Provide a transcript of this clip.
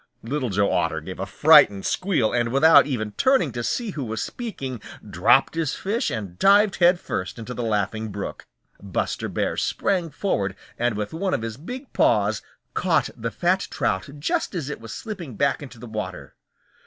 Little Joe Otter gave a frightened squeal and without even turning to see who was speaking dropped his fish and dived headfirst into the Laughing Brook. Buster Bear sprang forward and with one of his big paws caught the fat trout just as it was slipping back into the water.